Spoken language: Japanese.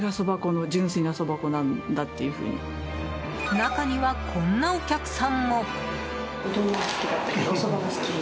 中には、こんなお客さんも。